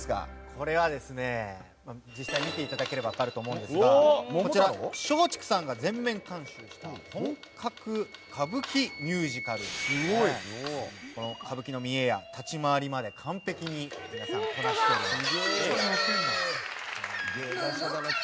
これはですね、実際に見ていただければ分かると思うんですがこちらは松竹さんが全面監修した本格的歌舞伎ミュージカルです。歌舞伎の見えや立ち回りまで完璧に皆さん、こなしています。